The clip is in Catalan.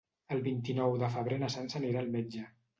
El vint-i-nou de febrer na Sança anirà al metge.